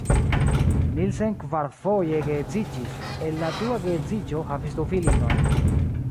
Nielsen kvarfoje geedziĝis, el la dua geedziĝo havis du filinojn.